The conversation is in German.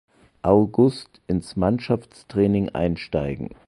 August ins Mannschaftstraining einsteigen.